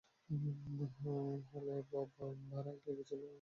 হলের ভাড়াই লেগেছিল একশো পঞ্চাশ ডলার।